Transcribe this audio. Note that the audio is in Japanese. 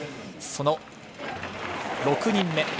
その６人目。